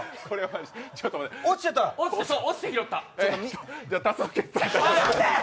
落ちてたよ。